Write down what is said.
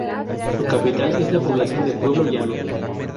Su capital es la población de Pueblo Llano.